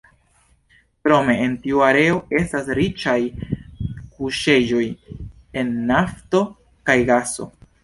Krome en tiu areo estas riĉaj kuŝejoj el nafto kaj gaso.